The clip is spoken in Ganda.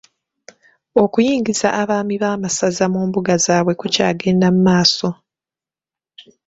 Okuyingiza abaami ab'amasaza mu mbuga zaabwe kukyagenda mu maaso.